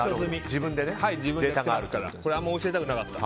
自分でデータがあると。